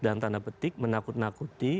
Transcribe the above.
dan tanda petik menakut nakuti